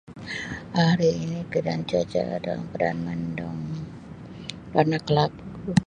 Hari ini keadaan cuaca adalah dalam keadaan mendung warna kelabu.